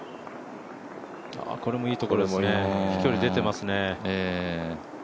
これもいいところ、飛距離出てますね。